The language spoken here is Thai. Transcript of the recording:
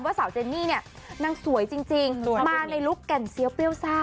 สาวเจนนี่เนี่ยนางสวยจริงมาในลุคแก่นเซียวเปรี้ยวซ่า